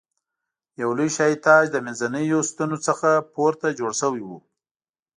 یو لوی شاهي تاج د منځنیو ستنو څخه پورته جوړ شوی و.